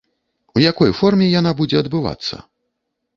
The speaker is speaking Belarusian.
У якой форме яна будзе адбывацца?